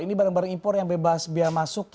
ini barang barang impor yang bebas biaya masuk